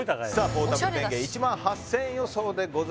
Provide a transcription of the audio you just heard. ポータブル電源１万８０００円予想でございます